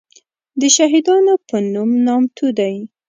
دشهیدانو په نوم نامتو دی.